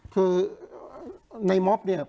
คือในม็อบเนี่ย